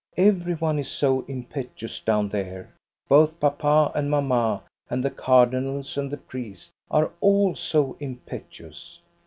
Every one is so impetuous down there, both papa and mamma and the cardinals and the priests, all are so impetuous.